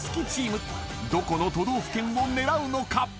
［どこの都道府県を狙うのか？］